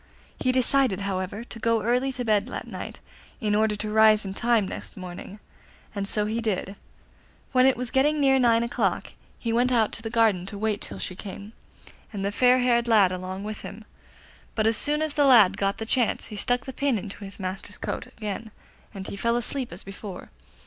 He decided, however, to go early to bed that night, in order to rise in time nest morning, and so he did. When it was getting near nine o'clock he went out to the garden to wait till she came, and the fair haired lad along with him; but as soon as the lad got the chance he stuck the pin into his master's coat again and he fell asleep as before.